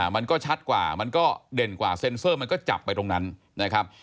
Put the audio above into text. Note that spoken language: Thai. มันก็ชัดกว่ามันก็เด่นกว่าเซ็นเซอร์มันก็จับไปตรงนั้นนะครับ